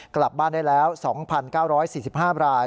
กลับบ้านได้แล้ว๒๙๔๕ราย